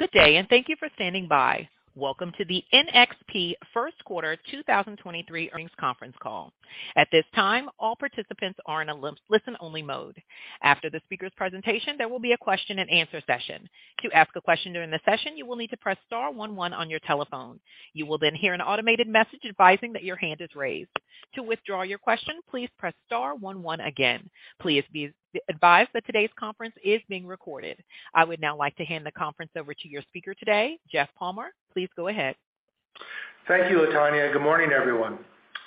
Good day, and thank you for standing by. Welcome to the NXP first quarter 2023 earnings conference call. At this time, all participants are in a listen only mode. After the speaker's presentation, there will be a question and answer session. To ask a question during the session, you will need to press star one one on your telephone. You will then hear an automated message advising that your hand is raised. To withdraw your question, please press star one one again. Please be advised that today's conference is being recorded. I would now like to hand the conference over to your speaker today, Jeff Palmer. Please go ahead. Thank you, LaTanya, and good morning, everyone.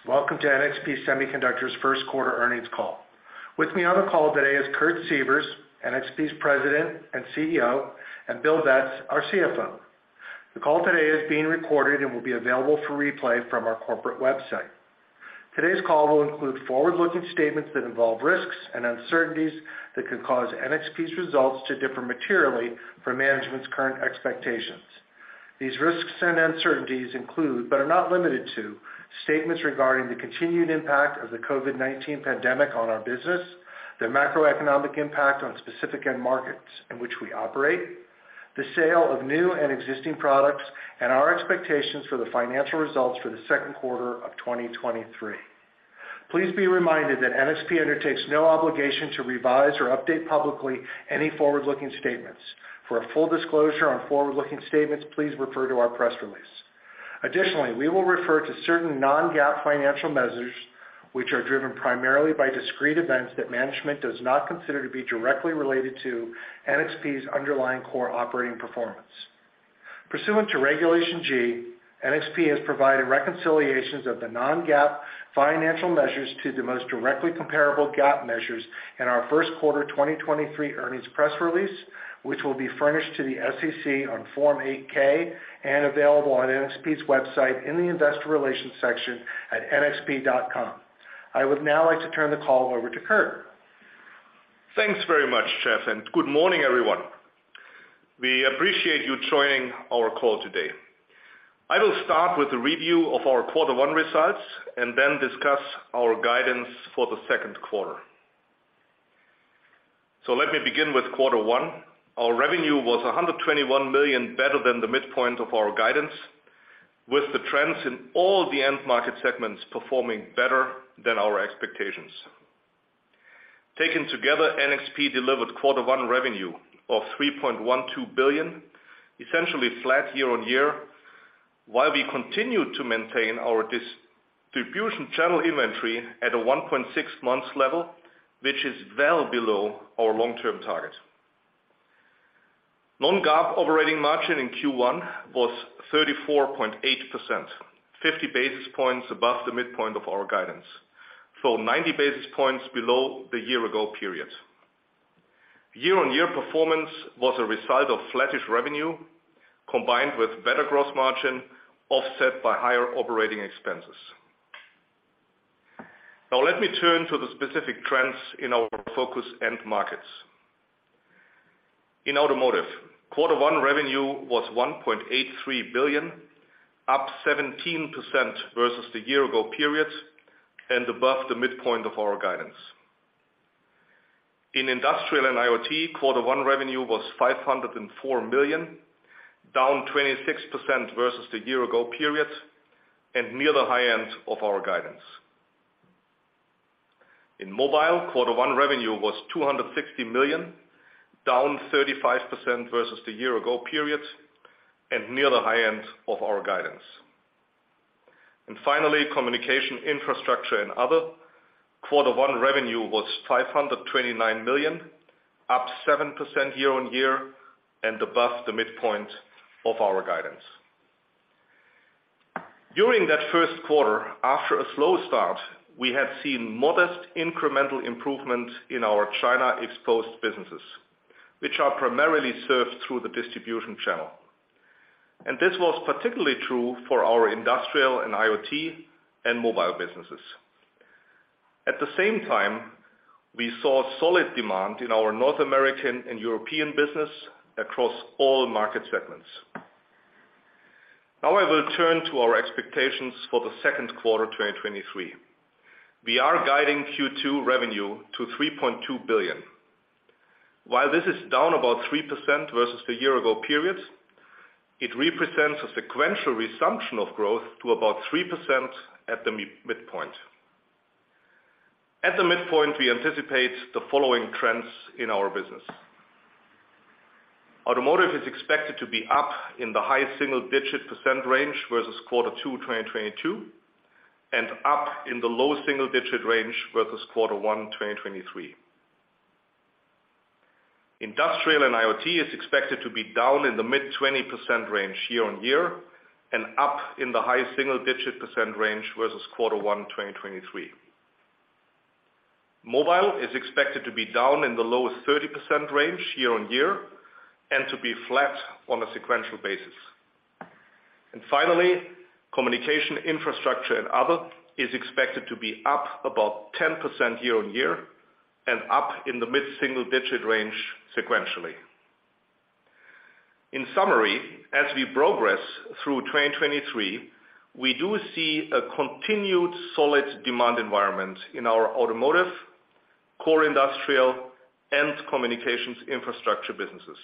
Welcome to NXP Semiconductors first quarter earnings call. With me on the call today is Kurt Sievers, NXP's President and CEO, and Bill Betz, our CFO. The call today is being recorded and will be available for replay from our corporate website. Today's call will include forward-looking statements that involve risks and uncertainties that could cause NXP's results to differ materially from management's current expectations. These risks and uncertainties include, but are not limited to, statements regarding the continued impact of the COVID-19 pandemic on our business, the macroeconomic impact on specific end markets in which we operate, the sale of new and existing products, and our expectations for the financial results for the second quarter of 2023. Please be reminded that NXP undertakes no obligation to revise or update publicly any forward-looking statements. For a full disclosure on forward-looking statements, please refer to our press release. Additionally, we will refer to certain non-GAAP financial measures, which are driven primarily by discrete events that management does not consider to be directly related to NXP's underlying core operating performance. Pursuant to Regulation G, NXP has provided reconciliations of the non-GAAP financial measures to the most directly comparable GAAP measures in our first quarter 2023 earnings press release, which will be furnished to the SEC on Form 8-K and available on NXP's website in the investor relations section at nxp.com. I would now like to turn the call over to Kurt. Thanks very much, Jeff, and good morning, everyone. We appreciate you joining our call today. I will start with a review of our quarter one results and then discuss our guidance for the second quarter. Let me begin with quarter one. Our revenue was $121 million, better than the midpoint of our guidance, with the trends in all the end market segments performing better than our expectations. Taken together, NXP delivered quarter one revenue of $3.12 billion, essentially flat year-on-year, while we continued to maintain our distribution channel inventory at a 1.6 months level, which is well below our long-term target. Non-GAAP operating margin in Q1 was 34.8%, 50 basis points above the midpoint of our guidance, so 90 basis points below the year-ago period. Year-on-year performance was a result of flattish revenue combined with better gross margin, offset by higher operating expenses. Now let me turn to the specific trends in our focus end markets. In automotive, Q1 revenue was $1.83 billion, up 17% versus the year-ago period and above the midpoint of our guidance. In industrial and IoT, Q1 revenue was $504 million, down 26% versus the year-ago period and near the high end of our guidance. In mobile, Q1 revenue was $260 million, down 35% versus the year-ago period and near the high end of our guidance. Finally, Communications Infrastructure & Other, Q1 revenue was $529 million, up 7% year-on-year and above the midpoint of our guidance. During that first quarter, after a slow start, we have seen modest incremental improvement in our China-exposed businesses, which are primarily served through the distribution channel. This was particularly true for our industrial and IoT and mobile businesses. At the same time, we saw solid demand in our North American and European business across all market segments. I will turn to our expectations for the second quarter 2023. We are guiding Q2 revenue to $3.2 billion. While this is down about 3% versus the year-ago period, it represents a sequential resumption of growth to about 3% at the midpoint. At the midpoint, we anticipate the following trends in our business. Automotive is expected to be up in the high single-digit % range versus quarter two 2022 and up in the low single-digit range versus quarter one 2023. Industrial and IoT is expected to be down in the mid-20% range year-on-year and up in the high single-digit % range versus Q1 2023. Mobile is expected to be down in the low 30% range year-on-year and to be flat on a sequential basis. Finally, Communications Infrastructure & Other is expected to be up about 10% year-on-year and up in the mid-single digit range sequentially. In summary, as we progress through 2023, we do see a continued solid demand environment in our automotive core industrial and Communications Infrastructure & Other businesses.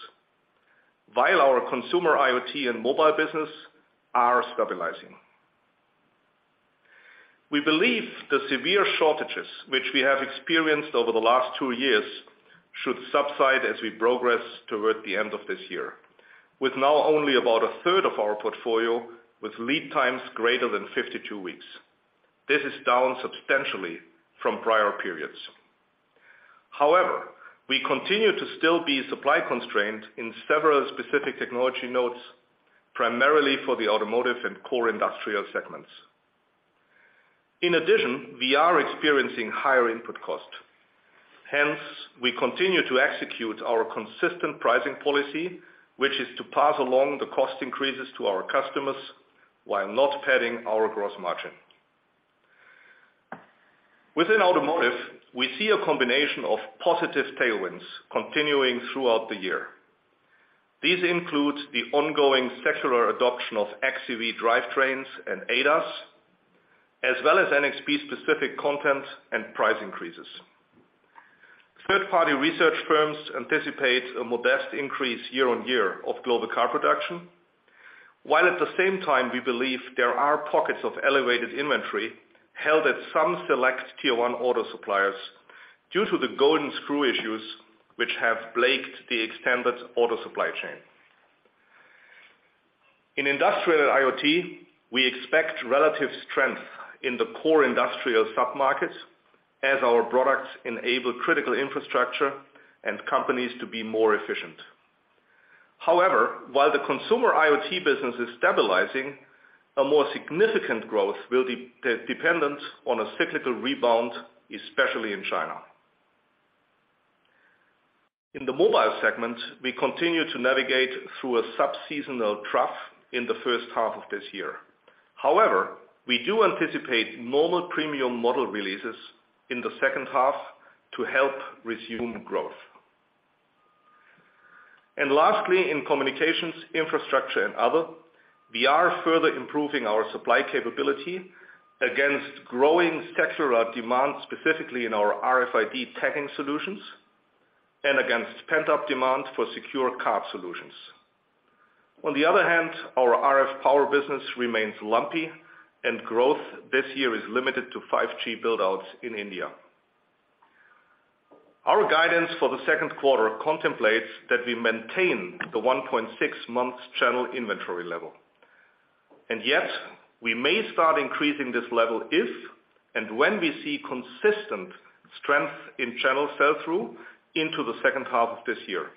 While our consumer IoT and mobile business are stabilizing. We believe the severe shortages which we have experienced over the last two years should subside as we progress toward the end of this year, with now only about a third of our portfolio with lead times greater than 52 weeks. This is down substantially from prior periods. However, we continue to still be supply constrained in several specific technology nodes, primarily for the automotive and core industrial segments. We are experiencing higher input cost. We continue to execute our consistent pricing policy, which is to pass along the cost increases to our customers while not padding our gross margin. Within automotive, we see a combination of positive tailwinds continuing throughout the year. These include the ongoing secular adoption of xEV drivetrains and ADAS, as well as NXP-specific content and price increases. Third-party research firms anticipate a modest increase year-on-year of global car production, while at the same time we believe there are pockets of elevated inventory held at some select Tier 1 auto suppliers due to the golden screw issues which have plagued the extended auto supply chain. In Industrial IoT, we expect relative strength in the core industrial sub-markets as our products enable critical infrastructure and companies to be more efficient. However, while the Consumer IoT business is stabilizing, a more significant growth will de-dependent on a cyclical rebound, especially in China. In the mobile segment, we continue to navigate through a sub-seasonal trough in the first half of this year. However, we do anticipate normal premium model releases in the second half to help resume growth. Lastly, in Communications Infrastructure & Other, we are further improving our supply capability against growing secular demand, specifically in our RFID tagging solutions and against pent-up demand for secure card solutions. On the other hand, our RF power business remains lumpy and growth this year is limited to 5G build-outs in India. Our guidance for the second quarter contemplates that we maintain the 1.6 months channel inventory level, and yet we may start increasing this level if and when we see consistent strength in channel sell-through into the second half of this year.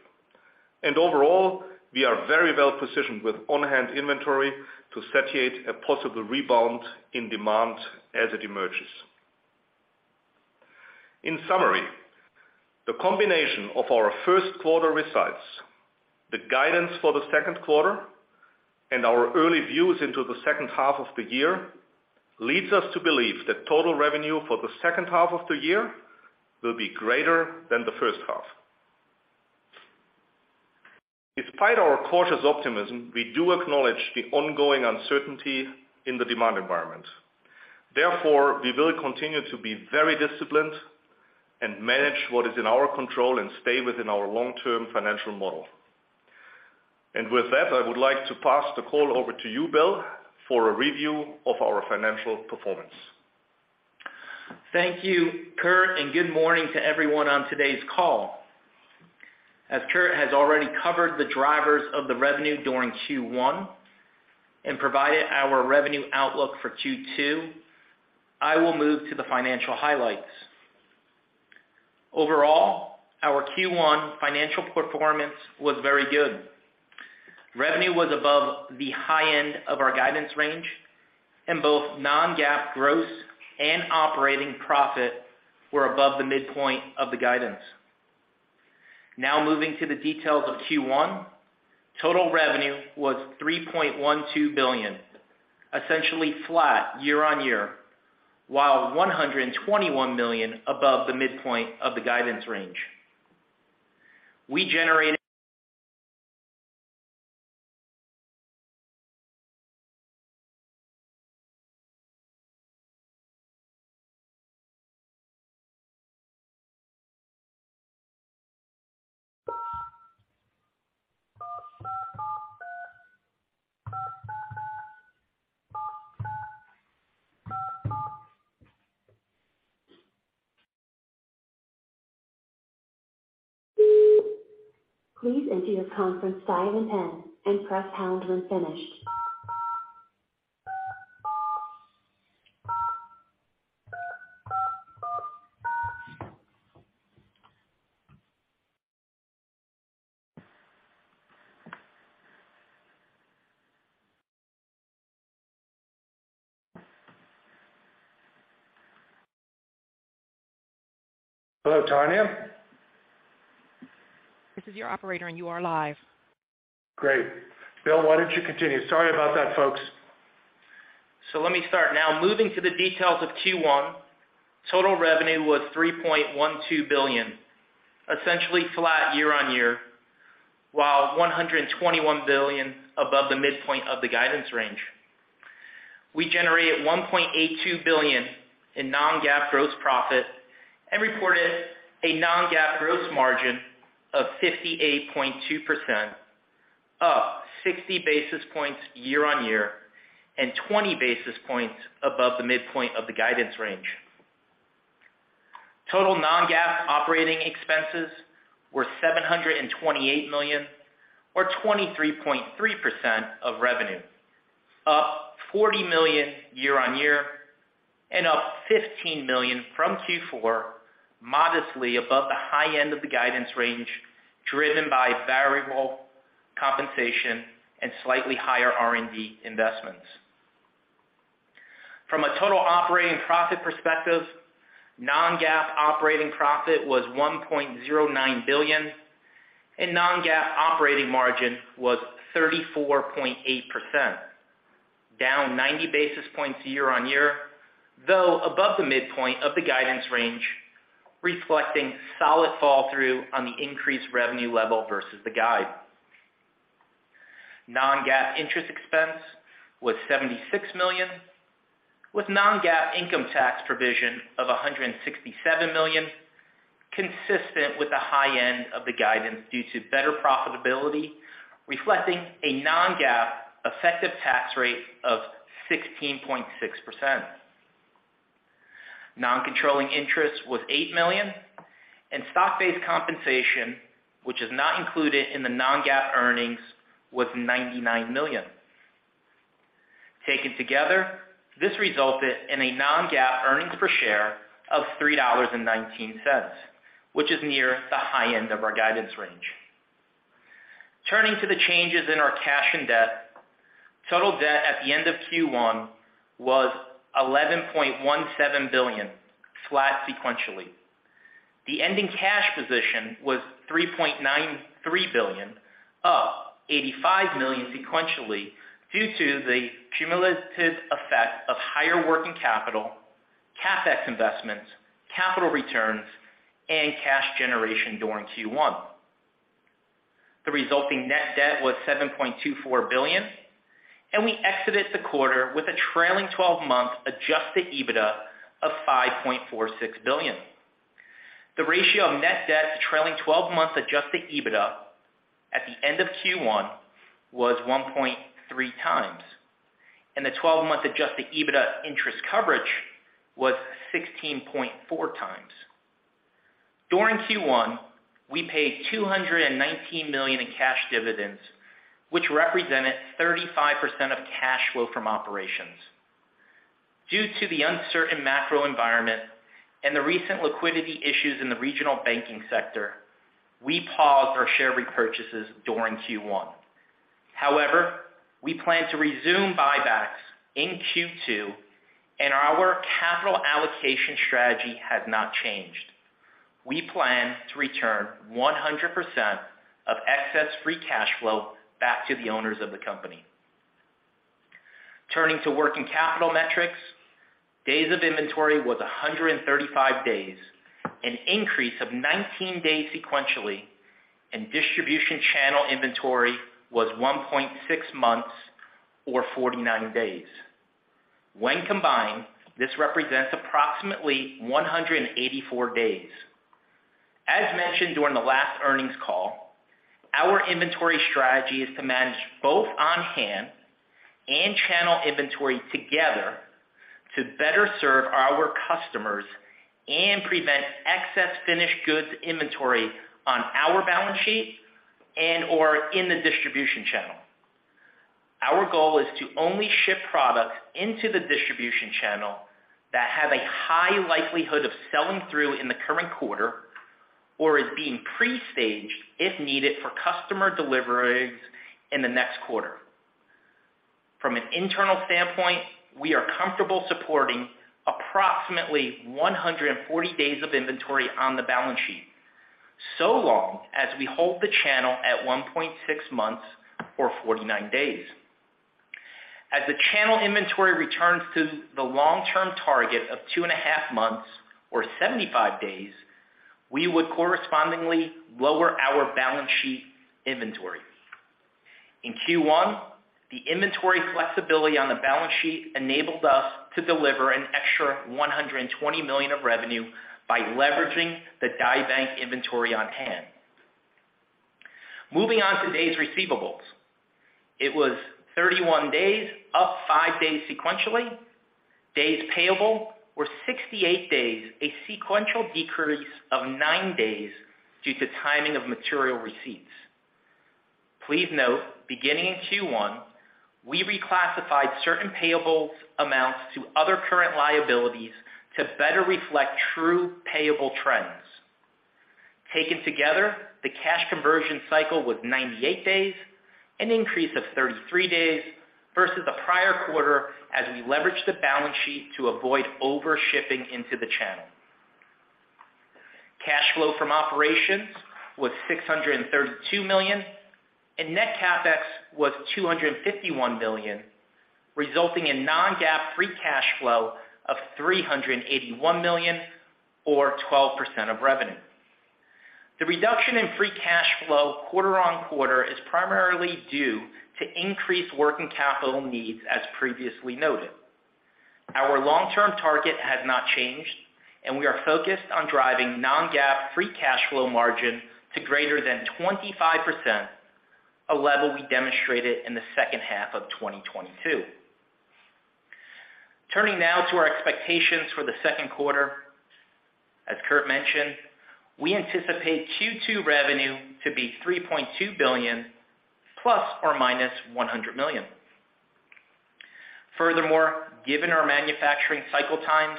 Overall, we are very well positioned with on-hand inventory to satiate a possible rebound in demand as it emerges. In summary, the combination of our first quarter results, the guidance for the second quarter, and our early views into the second half of the year, leads us to believe that total revenue for the second half of the year will be greater than the first half. Despite our cautious optimism, we do acknowledge the ongoing uncertainty in the demand environment. Therefore, we will continue to be very disciplined and manage what is in our control and stay within our long-term financial model. With that, I would like to pass the call over to you, Bill, for a review of our financial performance. Thank you, Kurt, and good morning to everyone on today's call. Kurt has already covered the drivers of the revenue during Q1 and provided our revenue outlook for Q2, I will move to the financial highlights. Overall, our Q1 financial performance was very good. Revenue was above the high end of our guidance range. Both non-GAAP gross and operating profit were above the midpoint of the guidance. Now moving to the details of Q1. Total revenue was $3.12 billion, essentially flat year-over-year, while $121 million above the midpoint of the guidance range. We generated- Please enter your conference diamond pin and press pound when finished. Hello, Tanya? This is your operator, and you are live. Great. Bill, why don't you continue? Sorry about that, folks. Let me start now. Moving to the details of Q1. Total revenue was $3.12 billion, essentially flat year-on-year, while $121 billion above the midpoint of the guidance range. We generated $1.82 billion in non-GAAP gross profit and reported a non-GAAP gross margin of 58.2%, up 60 basis points year-on-year and 20 basis points above the midpoint of the guidance range. Total non-GAAP operating expenses were $728 million or 23.3% of revenue, up $40 million year-on-year and up $15 million from Q4, modestly above the high end of the guidance range driven by variable compensation and slightly higher R&D investments. From a total operating profit perspective, non-GAAP operating profit was $1.09 billion and non-GAAP operating margin was 34.8%, down 90 basis points year-on-year, though above the midpoint of the guidance range, reflecting solid fall through on the increased revenue level versus the guide. Non-GAAP interest expense was $76 million, with non-GAAP income tax provision of $167 million consistent with the high end of the guidance due to better profitability, reflecting a non-GAAP effective tax rate of 16.6%. Non-controlling interest was $8 million. Stock-based compensation, which is not included in the non-GAAP earnings, was $90 million. Taken together, this resulted in a non-GAAP earnings per share of $3.19, which is near the high end of our guidance range. Turning to the changes in our cash and debt. Total debt at the end of Q1 was $11.17 billion, flat sequentially. The ending cash position was $3.93 billion, up $85 million sequentially due to the cumulative effect of higher working capital, CapEx investments, capital returns and cash generation during Q1. The resulting net debt was $7.24 billion, and we exited the quarter with a trailing twelve-month adjusted EBITDA of $5.46 billion. The ratio of net debt to trailing twelve-month adjusted EBITDA at the end of Q1 was 1.3x, and the twelve-month adjusted EBITDA interest coverage was 16.4x. During Q1, we paid $219 million in cash dividends, which represented 35% of cash flow from operations. Due to the uncertain macro environment and the recent liquidity issues in the regional banking sector, we paused our share repurchases during Q1. However, we plan to resume buybacks in Q2 and our capital allocation strategy has not changed. We plan to return 100% of excess free cash flow back to the owners of the company. Turning to working capital metrics. Days of inventory was 135 days, an increase of 19 days sequentially, and distribution channel inventory was 1.6 months or 49 days. When combined, this represents approximately 184 days. As mentioned during the last earnings call, our inventory strategy is to manage both on-hand and channel inventory together to better serve our customers and prevent excess finished goods inventory on our balance sheet and or in the distribution channel. Our goal is to only ship products into the distribution channel that have a high likelihood of selling through in the current quarter or is being pre-staged if needed for customer deliveries in the next quarter. From an internal standpoint, we are comfortable supporting approximately 140 days of inventory on the balance sheet, so long as we hold the channel at 1.6 months or 49 days. As the channel inventory returns to the long-term target of two and a half months or 75 days, we would correspondingly lower our balance sheet inventory. In Q1, the inventory flexibility on the balance sheet enabled us to deliver an extra $120 million of revenue by leveraging the die bank inventory on hand. Moving on to days receivables. It was 31 days, up five days sequentially. Days payable were 68 days, a sequential decrease of nine days due to timing of material receipts. Please note, beginning in Q1, we reclassified certain payables amounts to other current liabilities to better reflect true payable trends. Taken together, the cash conversion cycle was 98 days, an increase of 33 days versus the prior quarter as we leveraged the balance sheet to avoid over shipping into the channel. Cash flow from operations was $632 million, and net CapEx was $251 million, resulting in non-GAAP free cash flow of $381 million or 12% of revenue. The reduction in free cash flow quarter-on-quarter is primarily due to increased working capital needs, as previously noted. Our long-term target has not changed. We are focused on driving non-GAAP free cash flow margin to greater than 25%, a level we demonstrated in the second half of 2022. Turning now to our expectations for the second quarter. As Kurt mentioned, we anticipate Q2 revenue to be $3.2 billion plus or minus $100 million. Furthermore, given our manufacturing cycle times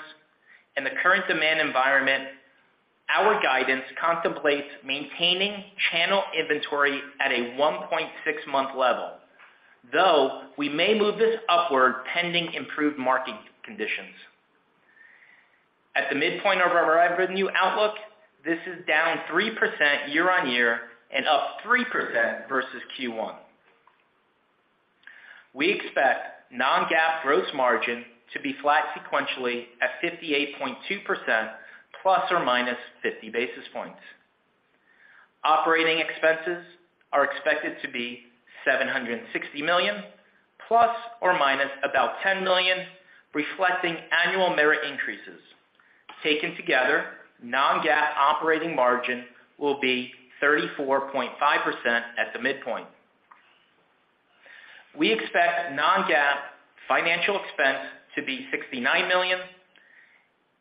and the current demand environment, our guidance contemplates maintaining channel inventory at a 1.6 month level, though we may move this upward pending improved market conditions. At the midpoint of our revenue outlook, this is down 3% year-on-year and up 3% versus Q1. We expect non-GAAP gross margin to be flat sequentially at 58.2% plus or minus 50 basis points. Operating expenses are expected to be $760 million ±$10 million, reflecting annual merit increases. Taken together, non-GAAP operating margin will be 34.5% at the midpoint. We expect non-GAAP financial expense to be $69 million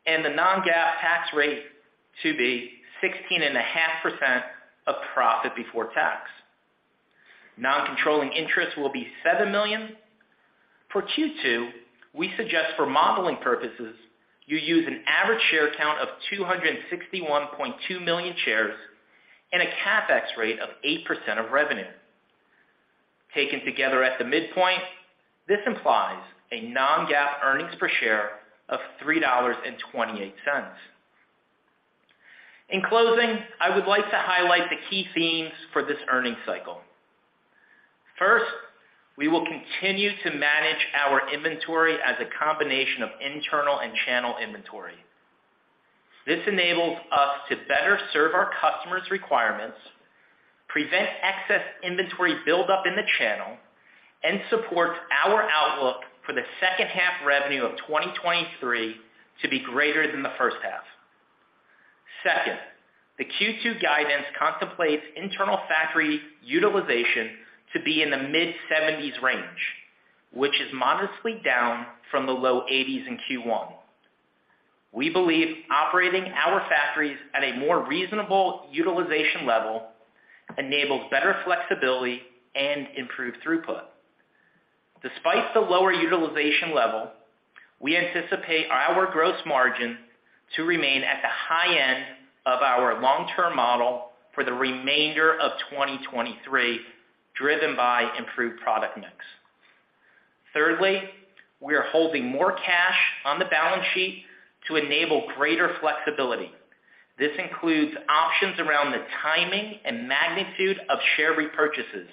and the non-GAAP tax rate to be 16.5% of profit before tax. Non-controlling interest will be $7 million. For Q2, we suggest for modeling purposes, you use an average share count of 261.2 million shares and a CapEx rate of 8% of revenue. Taken together at the midpoint, this implies a non-GAAP earnings per share of $3.28. In closing, I would like to highlight the key themes for this earnings cycle. First, we will continue to manage our inventory as a combination of internal and channel inventory. This enables us to better serve our customers' requirements, prevent excess inventory buildup in the channel, and supports our outlook for the second half revenue of 2023 to be greater than the first half. Second, the Q2 guidance contemplates internal factory utilization to be in the mid-70s range, which is modestly down from the low 80s in Q1. We believe operating our factories at a more reasonable utilization level enables better flexibility and improved throughput. Despite the lower utilization level, we anticipate our gross margin to remain at the high end of our long-term model for the remainder of 2023, driven by improved product mix. Thirdly, we are holding more cash on the balance sheet to enable greater flexibility. This includes options around the timing and magnitude of share repurchases,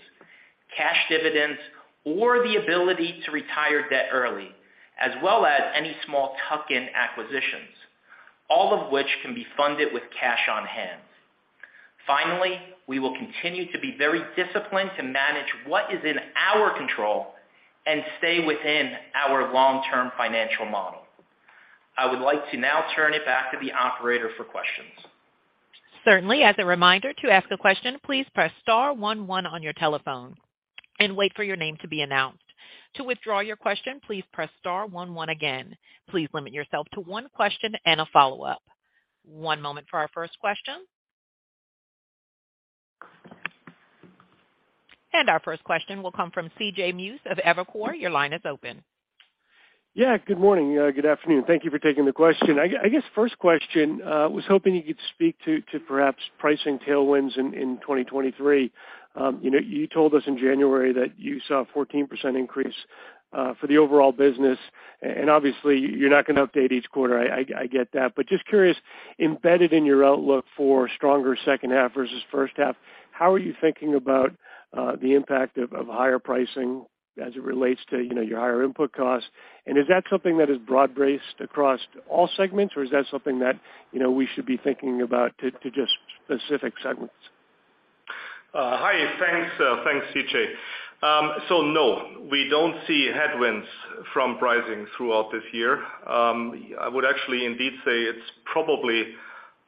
cash dividends, or the ability to retire debt early, as well as any small tuck-in acquisitions, all of which can be funded with cash on hand. We will continue to be very disciplined to manage what is in our control and stay within our long-term financial model. I would like to now turn it back to the operator for questions. Certainly. As a reminder, to ask a question, please press star one one on your telephone and wait for your name to be announced. To withdraw your question, please press star one one again. Please limit yourself to one question and a follow-up. One moment for our first question. Our first question will come from CJ Muse of Evercore. Your line is open. Good morning. Good afternoon. Thank you for taking the question. I guess first question, was hoping you could speak to perhaps pricing tailwinds in 2023. You know, you told us in January that you saw a 14% increase for the overall business and obviously you're not gonna update each quarter. I get that. Just curious, embedded in your outlook for stronger second half versus first half, how are you thinking about the impact of higher pricing as it relates to, you know, your higher input costs? Is that something that is broad-based across all segments, or is that something that, you know, we should be thinking about just specific segments? Hi. Thanks, thanks, CJ No, we don't see headwinds from pricing throughout this year. I would actually indeed say it's probably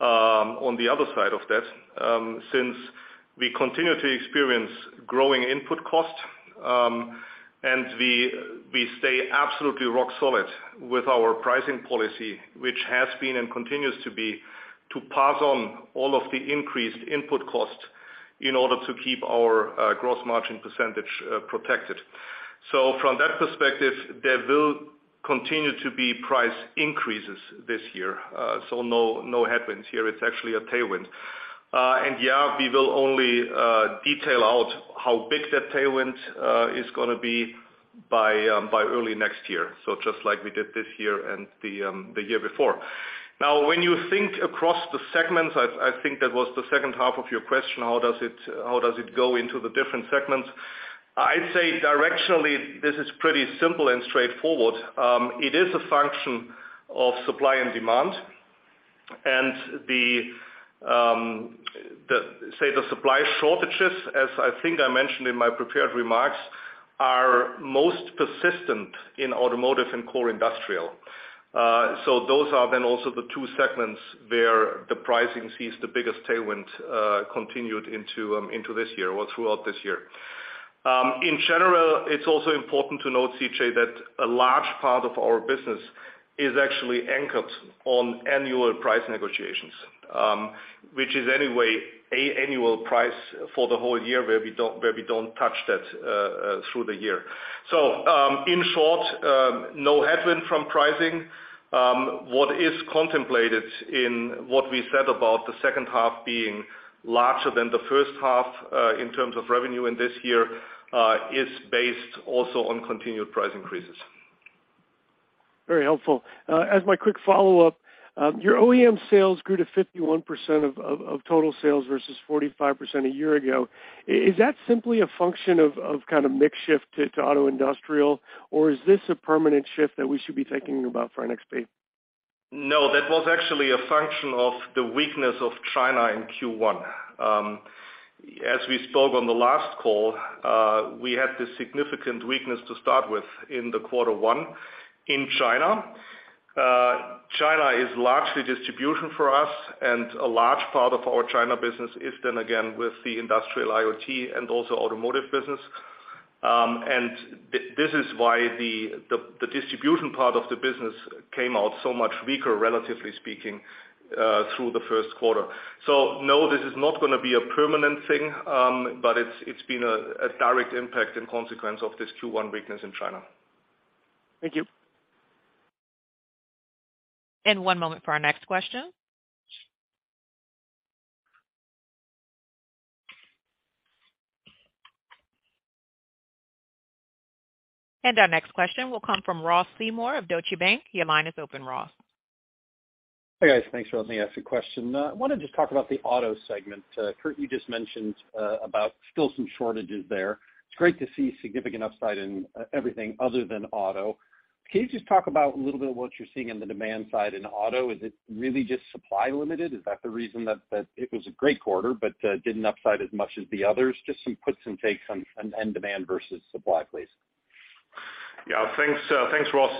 on the other side of that, since we continue to experience growing input costs, and we stay absolutely rock solid with our pricing policy, which has been and continues to be, to pass on all of the increased input costs in order to keep our gross margin percentage protected. From that perspective, there will continue to be price increases this year. No, no headwinds here. It's actually a tailwind. Yeah, we will only detail out how big that tailwind is gonna be by early next year. Just like we did this year and the year before. Now when you think across the segments, I think that was the second half of your question, how does it go into the different segments? I'd say directionally, this is pretty simple and straightforward. It is a function of supply and demand, and the, say, the supply shortages, as I think I mentioned in my prepared remarks, are most persistent in automotive and core industrial. So those are then also the two segments where the pricing sees the biggest tailwind, continued into this year or throughout this year. In general, it's also important to note, CJ, that a large part of our business is actually anchored on annual price negotiations, which is anyway a annual price for the whole year where we don't touch that through the year. In short, no headwind from pricing. What is contemplated in what we said about the second half being larger than the first half, in terms of revenue in this year, is based also on continued price increases. Very helpful. As my quick follow-up, your OEM sales grew to 51% of total sales versus 45% a year ago. Is that simply a function of kind of mix shift to auto industrial, or is this a permanent shift that we should be thinking about for NXP? No, that was actually a function of the weakness of China in Q1. As we spoke on the last call, we had this significant weakness to start with in the quarter one in China. China is largely distribution for us, and a large part of our China business is then again with the industrial IoT and also automotive business. And this is why the distribution part of the business came out so much weaker, relatively speaking, through the first quarter. No, this is not gonna be a permanent thing, but it's been a direct impact and consequence of this Q1 weakness in China. Thank you. One moment for our next question. Our next question will come from Ross Seymore of Deutsche Bank. Your line is open, Ross. Hi, guys. Thanks for letting me ask a question. I wanna just talk about the auto segment. Kurt, you just mentioned, about still some shortages there. It's great to see significant upside in e-everything other than auto. Can you just talk about a little bit of what you're seeing in the demand side in auto? Is it really just supply limited? Is that the reason that it was a great quarter but, didn't upside as much as the others? Just some puts and takes on end demand versus supply, please. Thanks, thanks, Ross.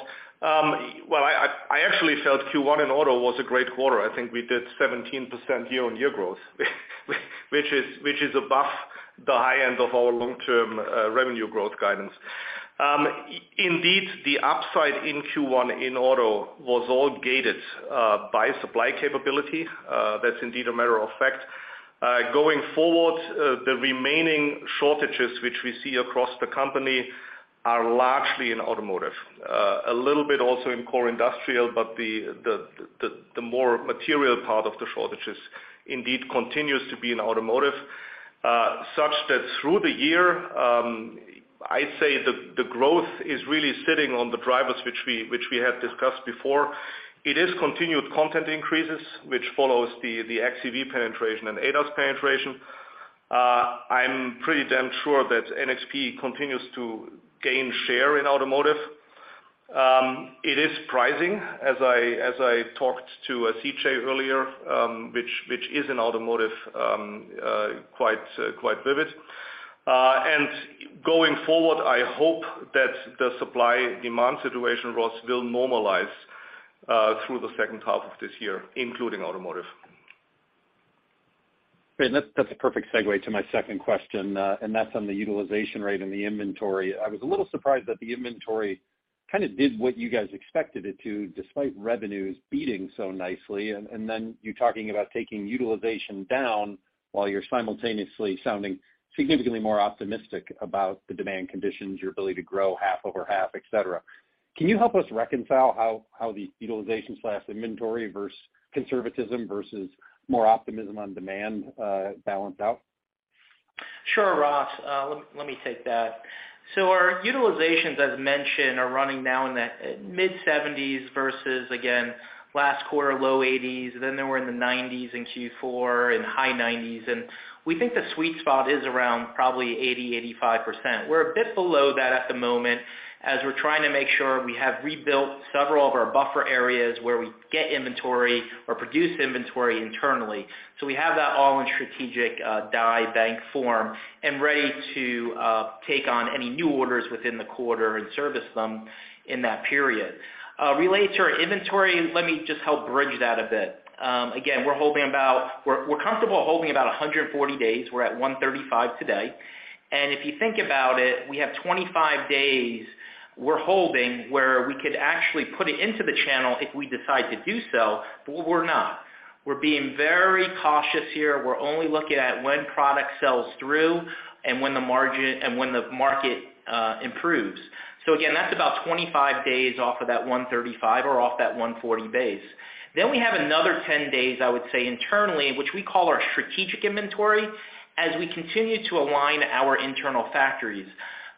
Well, I actually felt Q1 in auto was a great quarter. I think we did 17% year-on-year growth which is, which is above the high end of our long-term revenue growth guidance. Indeed, the upside in Q1 in auto was all gated by supply capability. That's indeed a matter of fact. Going forward, the remaining shortages which we see across the company are largely in automotive. A little bit also in core industrial, but the more material part of the shortages indeed continues to be in automotive, such that through the year, I'd say the growth is really sitting on the drivers which we had discussed before. It is continued content increases, which follows the xEV penetration and ADAS penetration. I'm pretty damn sure that NXP continues to gain share in automotive. It is pricing, as I talked to CJ earlier, which is in automotive, quite vivid. Going forward, I hope that the supply-demand situation, Ross, will normalize through the second half of this year, including automotive. Great. That's a perfect segue to my second question. That's on the utilization rate and the inventory. I was a little surprised that the inventory kinda did what you guys expected it to, despite revenues beating so nicely, and then you talking about taking utilization down while you're simultaneously sounding significantly more optimistic about the demand conditions, your ability to grow half over half, et cetera. Can you help us reconcile how the utilization/inventory versus conservatism versus more optimism on demand balance out? Sure, Ross. Let me take that. Our utilizations, as mentioned, are running now in the mid-70s versus, again, last quarter, low 80s, then they were in the 90s in Q4 and high 90s. We think the sweet spot is around probably 80%-85%. We're a bit below that at the moment, as we're trying to make sure we have rebuilt several of our buffer areas where we get inventory or produce inventory internally. We have that all in strategic die bank form and ready to take on any new orders within the quarter and service them in that period. Related to our inventory, let me just help bridge that a bit. Again, we're comfortable holding about 140 days. We're at 135 today. If you think about it, we have 25 days we're holding where we could actually put it into the channel if we decide to do so, but we're not. We're being very cautious here. We're only looking at when product sells through and when the market improves. Again, that's about 25 days off of that 135 or off that 140 base. We have another 10 days, I would say internally, which we call our strategic inventory as we continue to align our internal factories.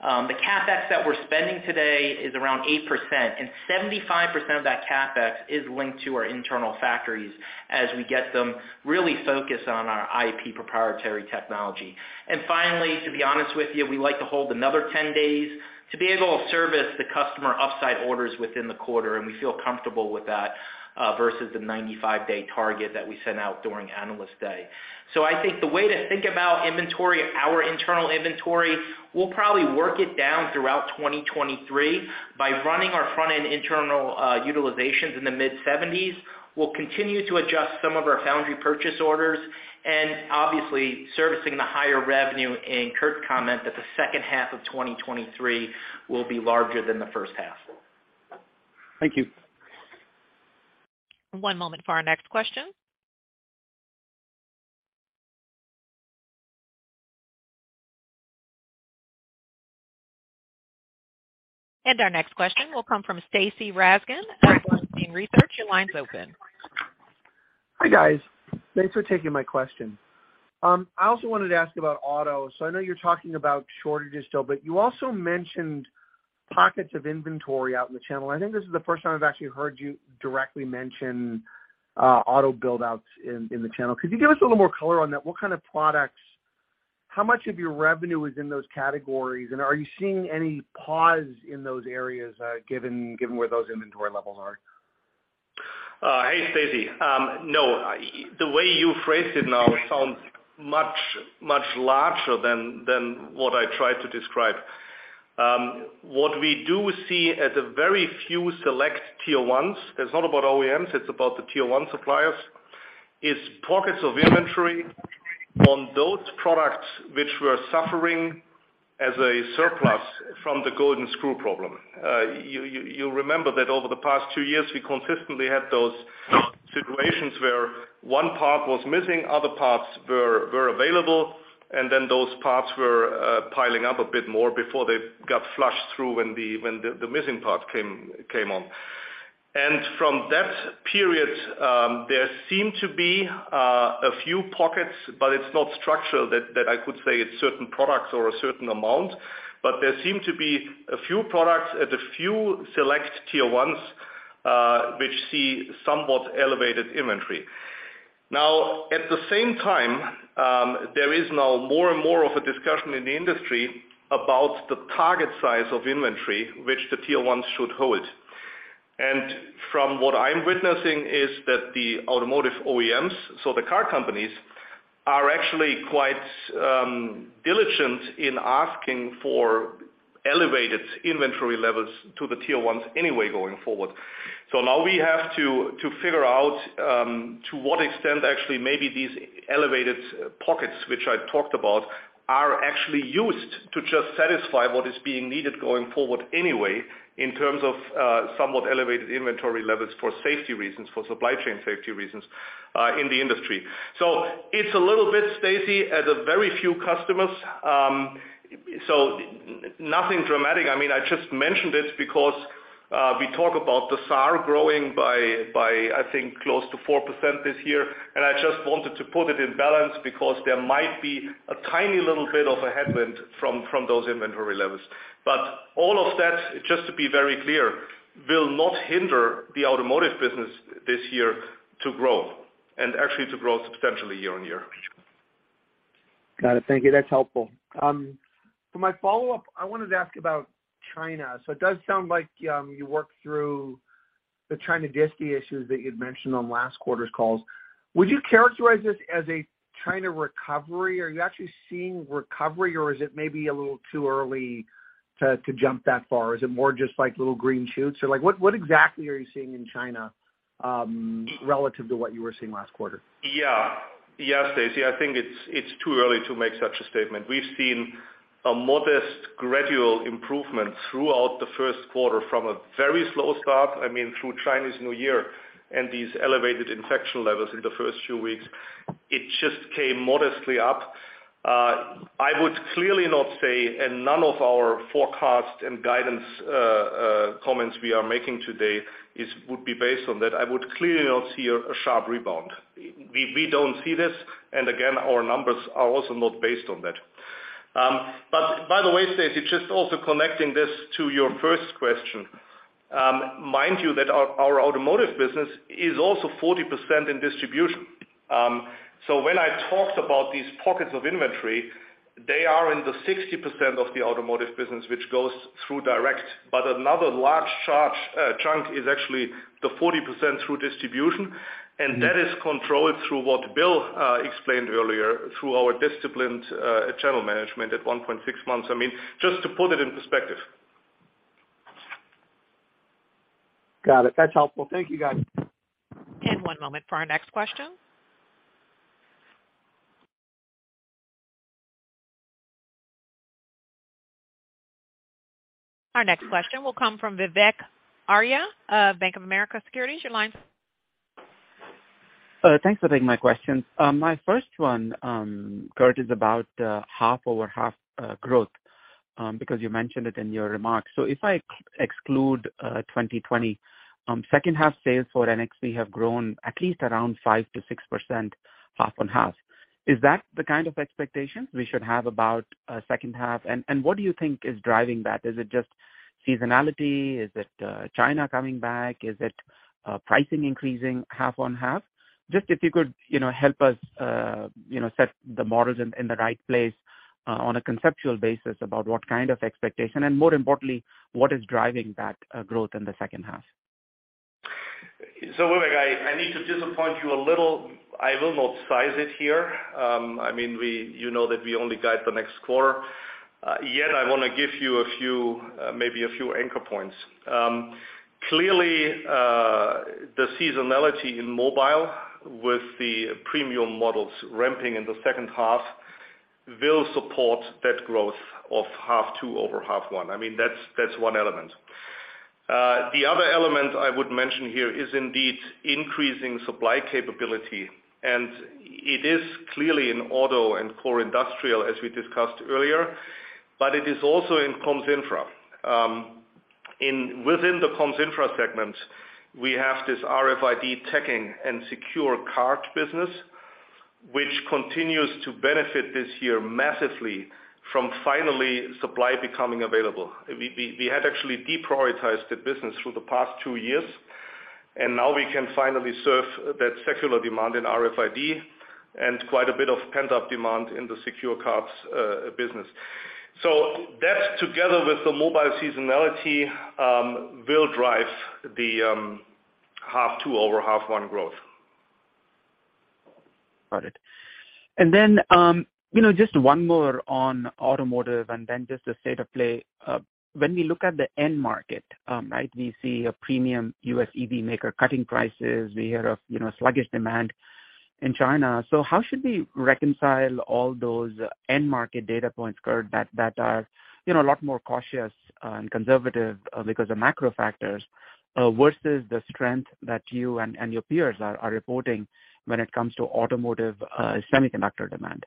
The CapEx that we're spending today is around 8%, and 75% of that CapEx is linked to our internal factories as we get them really focused on our IP proprietary technology. Finally, to be honest with you, we like to hold another 10 days to be able to service the customer upside orders within the quarter, and we feel comfortable with that, versus the 95-day target that we sent out during Analyst Day. I think the way to think about inventory, our internal inventory, we'll probably work it down throughout 2023 by running our front-end internal utilizations in the mid-70s. We'll continue to adjust some of our foundry purchase orders and obviously servicing the higher revenue in Kurt's comment that the second half of 2023 will be larger than the first half. Thank you. One moment for our next question. Our next question will come from Stacy Rasgon at Bernstein Research. Your line's open. Hi, guys. Thanks for taking my question. I also wanted to ask about auto. I know you're talking about shortages still, but you also mentioned pockets of inventory out in the channel. I think this is the first time I've actually heard you directly mention auto build outs in the channel. Could you give us a little more color on that? What kind of products? How much of your revenue is in those categories? Are you seeing any pause in those areas given where those inventory levels are? Hey, Stacy. No. The way you phrased it now sounds much, much larger than what I tried to describe. What we do see at a very few select Tier 1s, it's not about OEMs, it's about the Tier 1 suppliers, is pockets of inventory on those products which were suffering as a surplus from the golden screw problem. You remember that over the past two years, we consistently had those situations where one part was missing, other parts were available, and then those parts were piling up a bit more before they got flushed through when the, when the missing part came on. From that period, there seemed to be a few pockets, but it's not structural that I could say it's certain products or a certain amount. There seem to be a few products at a few select Tier 1s, which see somewhat elevated inventory. At the same time, there is now more and more of a discussion in the industry about the target size of inventory which the Tier 1s should hold. From what I'm witnessing is that the automotive OEMs, so the car companies, are actually quite diligent in asking for elevated inventory levels to the Tier 1s anyway going forward. Now we have to figure out to what extent actually maybe these elevated pockets, which I talked about, are actually used to just satisfy what is being needed going forward anyway in terms of somewhat elevated inventory levels for safety reasons, for supply chain safety reasons, in the industry. It's a little bit, Stacy, at a very few customers, so nothing dramatic. I mean, I just mentioned it because we talk about the SAR growing by, I think close to 4% this year. I just wanted to put it in balance because there might be a tiny little bit of a headwind from those inventory levels. All of that, just to be very clear, will not hinder the automotive business this year to grow and actually to grow substantially year-over-year. Got it. Thank you. That's helpful. For my follow-up, I wanted to ask about China. It does sound like you worked through the China disti issues that you'd mentioned on last quarter's calls. Would you characterize this as a China recovery? Are you actually seeing recovery, or is it maybe a little too early to jump that far? Is it more just like little green shoots? Like what exactly are you seeing in China, relative to what you were seeing last quarter? Yeah. Yeah, Stacy, I think it's too early to make such a statement. We've seen a modest gradual improvement throughout the first quarter from a very slow start, I mean, through Chinese New Year and these elevated infection levels in the first few weeks. It just came modestly up. I would clearly not say, and none of our forecast and guidance comments we are making today would be based on that. I would clearly not see a sharp rebound. We don't see this, and again, our numbers are also not based on that. By the way, Stacy, just also connecting this to your first question, mind you that our automotive business is also 40% in distribution. When I talked about these pockets of inventory, they are in the 60% of the automotive business which goes through direct. Another large chunk is actually the 40% through distribution, and that is controlled through what Bill explained earlier through our disciplined channel management at 1.6 months. I mean, just to put it in perspective. Got it. That's helpful. Thank you, guys. One moment for our next question. Our next question will come from Vivek Arya of Bank of America Securities. Your line's. Thanks for taking my question. My first one, Kurt, is about half-over-half growth because you mentioned it in your remarks. If I exclude 2020, second half sales for NXP have grown at least around 5%-6% half on half. Is that the kind of expectation we should have about second half? What do you think is driving that? Is it just seasonality? Is it China coming back? Is it pricing increasing half on half? Just if you could, you know, help us, you know, set the models in the right place on a conceptual basis about what kind of expectation and more importantly, what is driving that growth in the second half. Vivek, I need to disappoint you a little. I will not size it here. I mean, you know that we only guide the next quarter. I wanna give you a few, maybe a few anchor points. Clearly, the seasonality in mobile with the premium models ramping in the second half will support that growth of half two over half one. I mean, that's one element. The other element I would mention here is indeed increasing supply capability, and it is clearly in auto and core industrial, as we discussed earlier, but it is also in comms infra. Within the comms infra segment, we have this RFID tagging and secure card business, which continues to benefit this year massively from finally supply becoming available. We had actually deprioritized the business through the past two years. Now we can finally serve that secular demand in RFID and quite a bit of pent-up demand in the secure cards business. That together with the mobile seasonality will drive the half two over half one growth. Got it. Then, you know, just one more on automotive and then just the state of play. When we look at the end market, right, we see a premium U.S. EV maker cutting prices. We hear of, you know, sluggish demand in China. How should we reconcile all those end market data points, Kurt, that are, you know, a lot more cautious and conservative because of macro factors versus the strength that you and your peers are reporting when it comes to automotive semiconductor demand?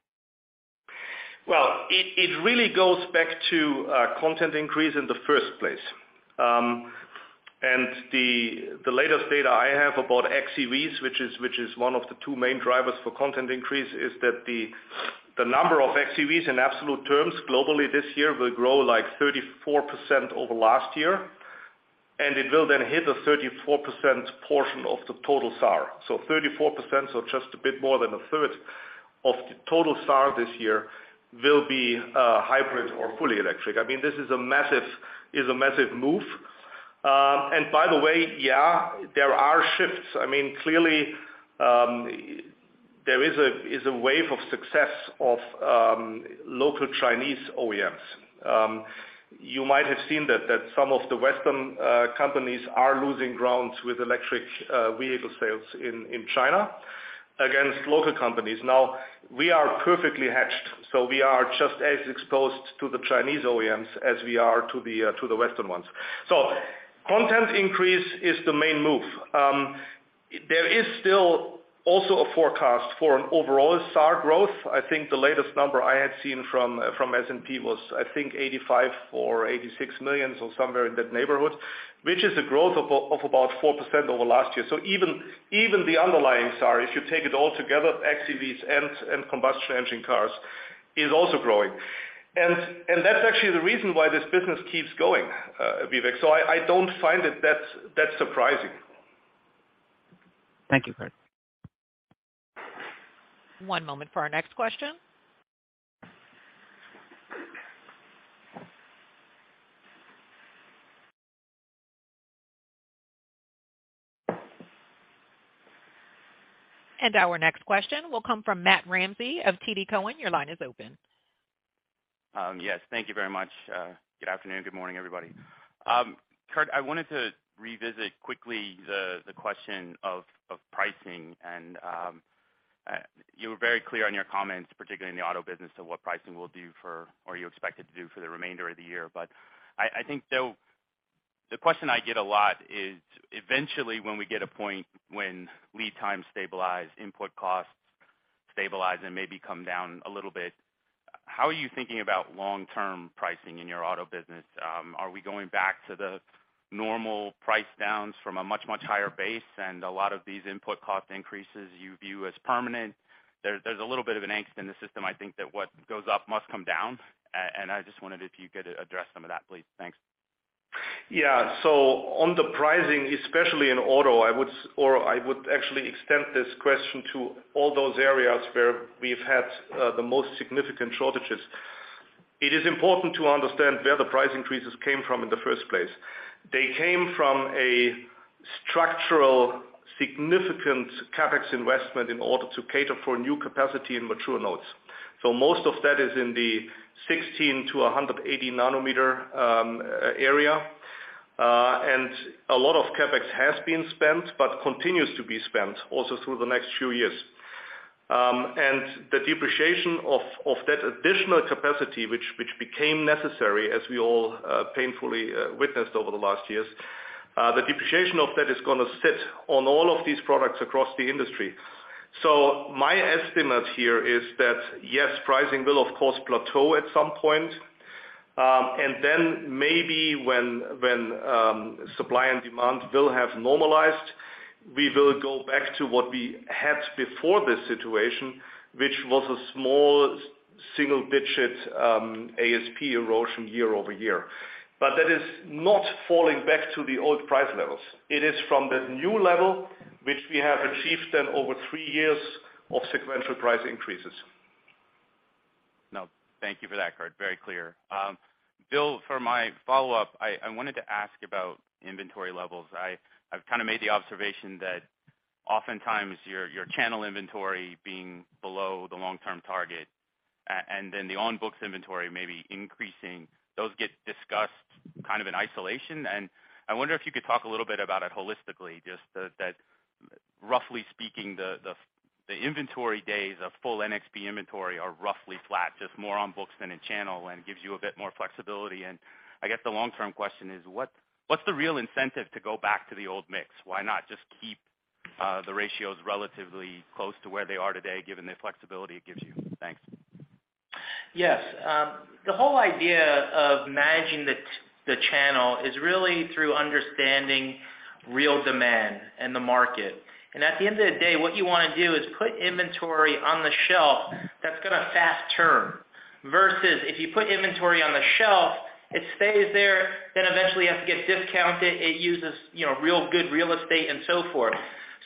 Well, it really goes back to content increase in the first place. The, the latest data I have about xEVs, which is, which is one of the two main drivers for content increase, is that the number of xEVs in absolute terms globally this year will grow, like, 34% over last year, and it will then hit a 34% portion of the total SAR. 34%, so just a bit more than a third of the total SAR this year will be hybrid or fully electric. I mean, this is a massive, is a massive move. By the way, yeah there are shifts. I mean, clearly, there is a, is a wave of success of local Chinese OEMs. You might have seen that some of the Western companies are losing ground with electric vehicle sales in China against local companies. We are perfectly hedged, so we are just as exposed to the Chinese OEMs as we are to the Western ones. Content increase is the main move. There is still also a forecast for an overall SAR growth. I think the latest number I had seen from S&P was, I think 85 million or 86 million, so somewhere in that neighborhood, which is a growth of about 4% over last year. Even the underlying SAR, if you take it all together, xEVs and combustion engine cars, is also growing. That's actually the reason why this business keeps going, Vivek. I don't find it that surprising. Thank you, Kurt. One moment for our next question. Our next question will come from Matt Ramsay of TD Cowen. Your line is open. Yes. Thank you very much. Good afternoon, good morning, everybody. Kurt, I wanted to revisit quickly the question of pricing and you were very clear on your comments, particularly in the auto business, of what pricing will do for or you expect it to do for the remainder of the year. I think, though, the question I get a lot is eventually when we get a point when lead times stabilize, input costs stabilize, and maybe come down a little bit, how are you thinking about long-term pricing in your auto business? Are we going back to the normal price downs from a much, much higher base and a lot of these input cost increases you view as permanent? There, there's a little bit of an angst in the system, I think that what goes up must come down. I just wondered if you could address some of that, please. Thanks. Yeah. On the pricing, especially in auto, I would actually extend this question to all those areas where we've had the most significant shortages. It is important to understand where the price increases came from in the first place. They came from a structural significant CapEx investment in order to cater for new capacity in mature nodes. Most of that is in the 16 to 180 nanometer area. A lot of CapEx has been spent, but continues to be spent also through the next few years. The depreciation of that additional capacity which became necessary as we all painfully witnessed over the last years, the depreciation of that is gonna sit on all of these products across the industry. My estimate here is that, yes, pricing will, of course, plateau at some point. When supply and demand will have normalized, we will go back to what we had before this situation, which was a small single-digit ASP erosion year-over-year. That is not falling back to the old price levels. It is from the new level, which we have achieved in over 3 years of sequential price increases. No, thank you for that, Kurt. Very clear. Bill, for my follow-up, I wanted to ask about inventory levels. I've kinda made the observation that oftentimes your channel inventory being below the long-term target and then the on-books inventory maybe increasing, those get discussed kind of in isolation. I wonder if you could talk a little bit about it holistically, just that, roughly speaking, the inventory days of full NXP inventory are roughly flat, just more on books than in channel, and it gives you a bit more flexibility. I guess the long-term question is: What's the real incentive to go back to the old mix? Why not just keep the ratios relatively close to where they are today, given the flexibility it gives you? Thanks. Yes. The whole idea of managing the channel is really through understanding real demand in the market. And at the end of the day, what you wanna do is put inventory on the shelf that's gonna fast turn. Versus if you put inventory on the shelf, it stays there, then eventually it has to get discounted. It uses, you know, real good real estate and so forth. So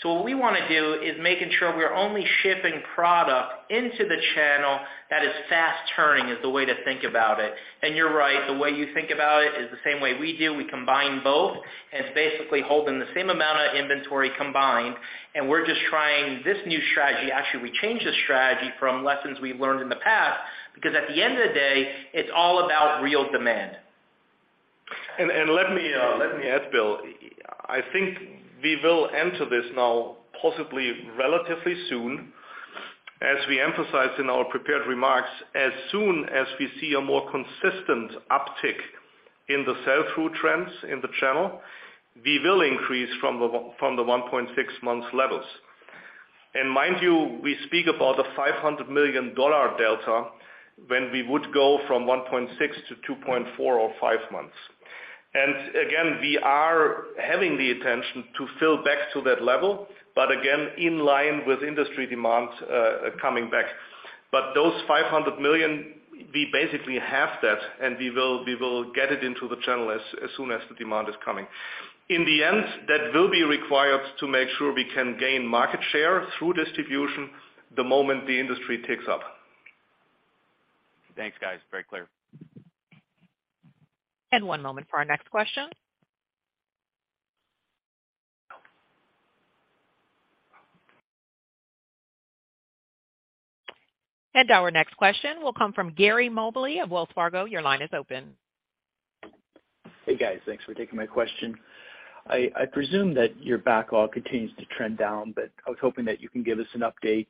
what we wanna do is making sure we are only shipping product into the channel that is fast turning, is the way to think about it. And you're right, the way you think about it is the same way we do. We combine both, and it's basically holding the same amount of inventory combined, and we're just trying this new strategy. Actually, we changed the strategy from lessons we learned in the past because at the end of the day, it's all about real demand. Let me add, Bill. I think we will enter this now possibly relatively soon. As we emphasized in our prepared remarks, as soon as we see a more consistent uptick in the sell-through trends in the channel, we will increase from the 1.6 months levels. Mind you, we speak about a $500 million delta when we would go from 1.6 to 2.4 or 5 months. Again, we are having the intention to fill back to that level, but again, in line with industry demand coming back. Those $500 million, we basically have that, and we will get it into the channel as soon as the demand is coming. In the end, that will be required to make sure we can gain market share through distribution the moment the industry ticks up. Thanks, guys. Very clear. One moment for our next question. Our next question will come from Gary Mobley of Wells Fargo. Your line is open. Hey, guys. Thanks for taking my question. I presume that your backlog continues to trend down, but I was hoping that you can give us an update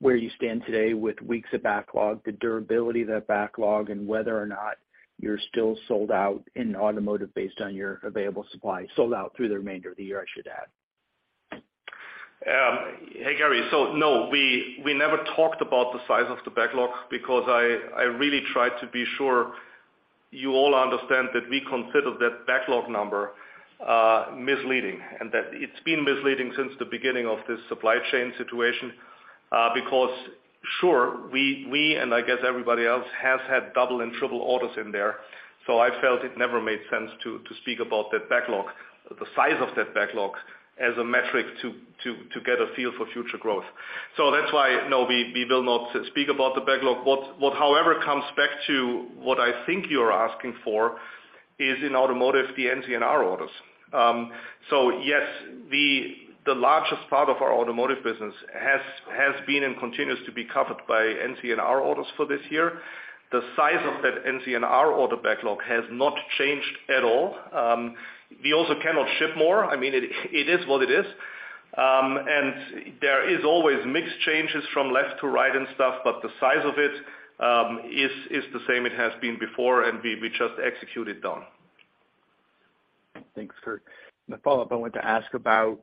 where you stand today with weeks of backlog, the durability of that backlog, and whether or not you're still sold out in automotive based on your available supply. Sold out through the remainder of the year, I should add. Hey, Gary. No, we never talked about the size of the backlog because I really tried to be sure you all understand that we consider that backlog number misleading and that it's been misleading since the beginning of this supply chain situation. Because sure, we, and I guess everybody else, has had double and triple orders in there. I felt it never made sense to speak about that backlog, the size of that backlog, as a metric to get a feel for future growth. That's why, no, we will not speak about the backlog. What however comes back to what I think you're asking for is in automotive, the NCNR orders. Yes, the largest part of our automotive business has been and continues to be covered by NCNR orders for this year. The size of that NCNR order backlog has not changed at all. We also cannot ship more. I mean, it is what it is. There is always mixed changes from left to right and stuff, but the size of it is the same it has been before, and we just execute it down. Thanks, Kurt. The follow-up, I wanted to ask about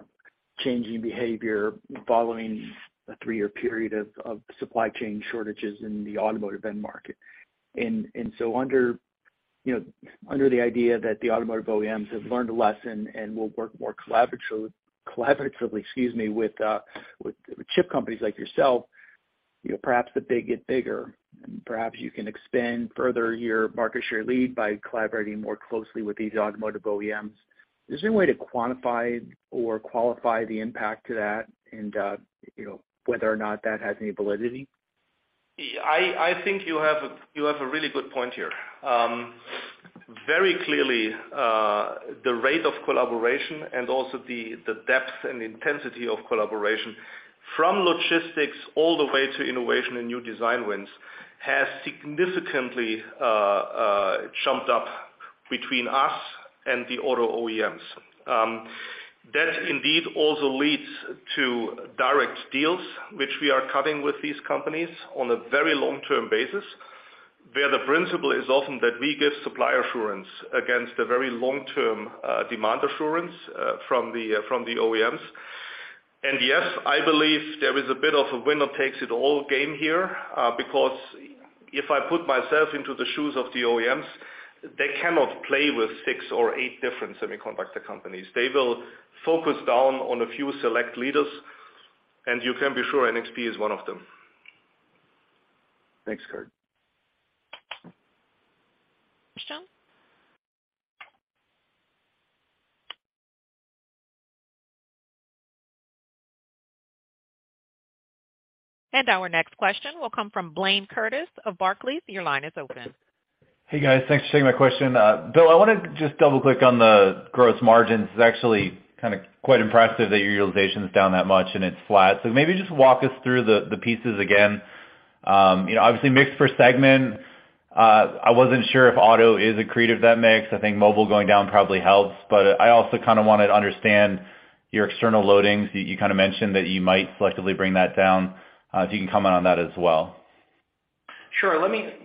changing behavior following a three-year period of supply chain shortages in the automotive end market. Under, you know, under the idea that the automotive OEMs have learned a lesson and will work more collaboratively, excuse me, with chip companies like yourself, you know, perhaps the big get bigger, and perhaps you can expand further your market share lead by collaborating more closely with these automotive OEMs. Is there any way to quantify or qualify the impact to that and, you know, whether or not that has any validity? I think you have a really good point here. Very clearly, the rate of collaboration and also the depth and intensity of collaboration from logistics all the way to innovation and new design wins has significantly jumped up between us and the auto OEMs. That indeed also leads to direct deals, which we are cutting with these companies on a very long-term basis, where the principle is often that we give supply assurance against a very long-term demand assurance from the OEMs. Yes, I believe there is a bit of a winner-takes-it-all game here, because if I put myself into the shoes of the OEMs, they cannot play with six or eight different semiconductor companies. They will focus down on a few select leaders, and you can be sure NXP is one of them. Thanks, Kurt. Question? Our next question will come from Blayne Curtis of Barclays. Your line is open. Hey, guys. Thanks for taking my question. Bill, I wanted to just double-click on the gross margins. It's actually kinda quite impressive that your utilization's down that much and it's flat. Maybe just walk us through the pieces again. You know, obviously mix for segment, I wasn't sure if auto is accretive to that mix. I think mobile going down probably helps. I also kinda wanna understand your external loadings. You kinda mentioned that you might selectively bring that down, if you can comment on that as well.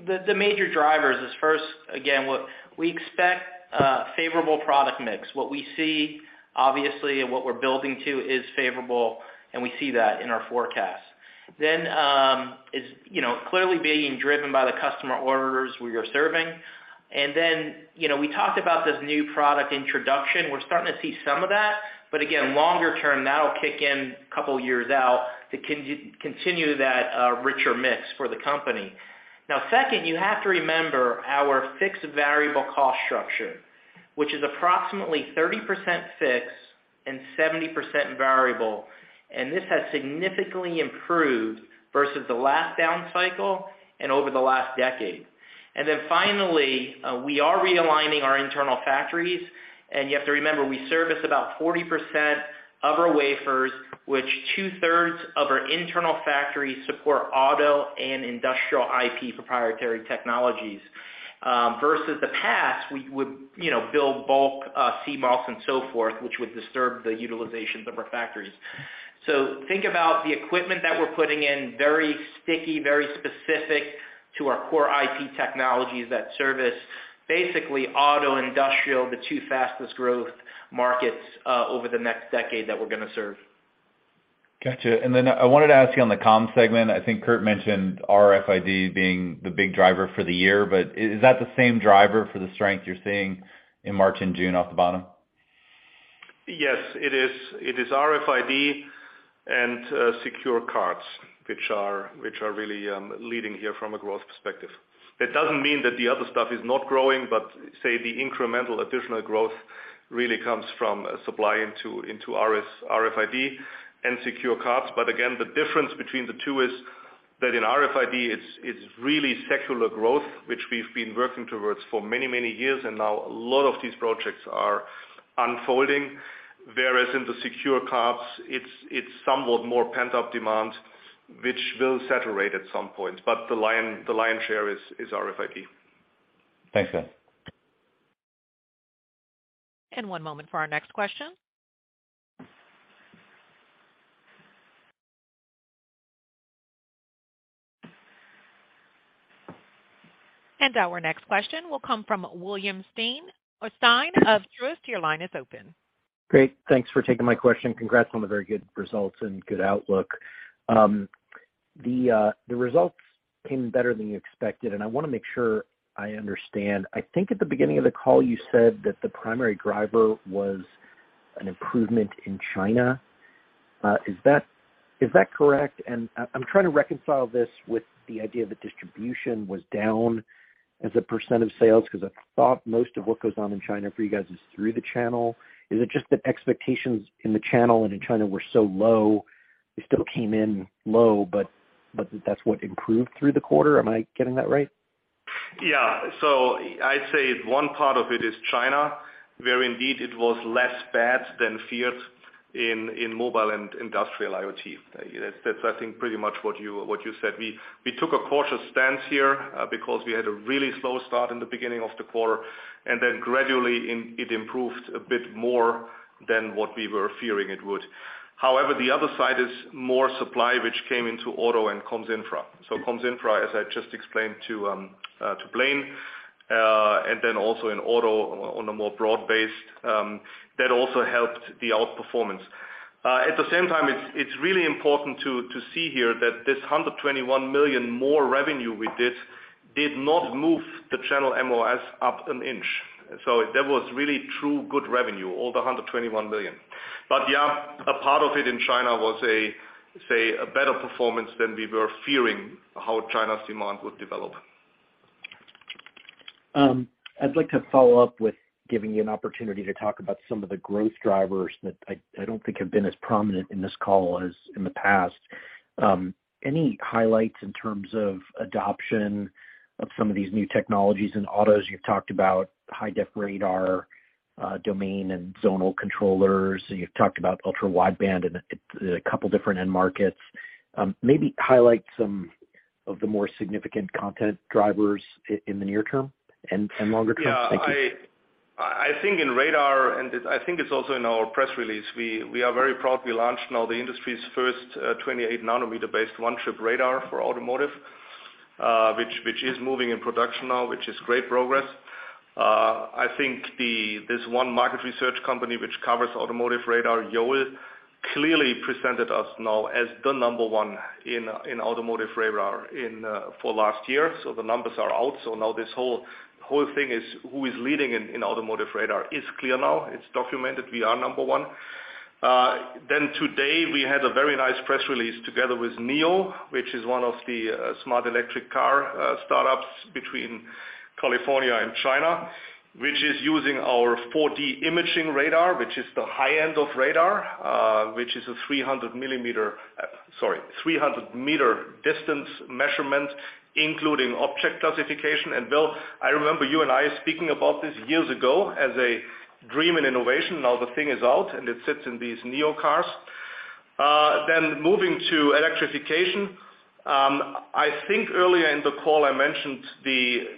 The major drivers is first, again, what we expect favorable product mix. What we see, obviously, and what we're building to is favorable, and we see that in our forecast. It's, you know, clearly being driven by the customer orders we are serving. You know, we talked about this new product introduction. We're starting to see some of that, but again, longer term, that'll kick in a couple years out to continue that richer mix for the company. Second, you have to remember our fixed variable cost structure, which is approximately 30% fixed and 70% variable, and this has significantly improved versus the last down cycle and over the last decade. Finally, we are realigning our internal factories, and you have to remember, we service about 40% of our wafers, which two-thirds of our internal factories support auto and industrial IP proprietary technologies. Versus the past, we would, you know, build bulk, CBOS and so forth, which would disturb the utilizations of our factories. Think about the equipment that we're putting in, very sticky, very specific to our core IoT technologies that service basically auto, industrial, the two fastest growth markets over the next decade that we're gonna serve. Gotcha. I wanted to ask you on the comms segment, I think Kurt mentioned RFID being the big driver for the year, is that the same driver for the strength you're seeing in March and June off the bottom? Yes, it is. It is RFID and secure cards, which are, which are really leading here from a growth perspective. That doesn't mean that the other stuff is not growing, but say the incremental additional growth really comes from supply into RFID and secure cards. Again, the difference between the two is that in RFID, it's really secular growth, which we've been working towards for many, many years, and now a lot of these projects are unfolding. Whereas in the secure cards, it's somewhat more pent-up demand, which will saturate at some point. The lion share is RFID. Thanks. One moment for our next question. Our next question will come from William Stein or Stein of Truist. Your line is open. Great. Thanks for taking my question. Congrats on the very good results and good outlook. The results came better than you expected, and I wanna make sure I understand. I think at the beginning of the call, you said that the primary driver was an improvement in China. Is that correct? I'm trying to reconcile this with the idea that distribution was down as a percent of sales because I thought most of what goes on in China for you guys is through the channel. Is it just that expectations in the channel and in China were so low, they still came in low, but that's what improved through the quarter? Am I getting that right? I'd say one part of it is China, where indeed it was less bad than feared in mobile and industrial IoT. That's I think pretty much what you said. We took a cautious stance here, because we had a really slow start in the beginning of the quarter, gradually, it improved a bit more than what we were fearing it would. However, the other side is more supply, which came into auto and comms infra. Comms infra, as I just explained to Blayne, also in auto on a more broad-based, that also helped the outperformance. At the same time, it's really important to see here that this $121 million more revenue we did not move the channel MOS up an inch. That was really true good revenue, all the $121 million. Yeah, a part of it in China was a, say, a better performance than we were fearing how China's demand would develop. I'd like to follow up with giving you an opportunity to talk about some of the growth drivers that I don't think have been as prominent in this call as in the past. Any highlights in terms of adoption of some of these new technologies? In autos, you've talked about high def radar, domain and zonal controllers. You've talked about ultra-wideband and a couple different end markets. Maybe highlight some Of the more significant content drivers in the near term and longer term? Thank you. I think in radar, I think it's also in our press release. We are very proud we launched now the industry's first 28 nm-based one chip radar for automotive, which is moving in production now, which is great progress. I think this one market research company which covers automotive radar, Yole, clearly presented us now as the number one in automotive radar for last year. The numbers are out. Now this whole thing is who is leading in automotive radar is clear now. It's documented, we are number one. Today, we had a very nice press release together with NIO, which is one of the smart electric car startups between California and China, which is using our 4D imaging radar, which is the high end of radar, which is a 300 m distance measurement, including object classification. Bill, I remember you and I speaking about this years ago as a dream and innovation. Now the thing is out, and it sits in these NIO cars. Moving to electrification. I think earlier in the call, I mentioned the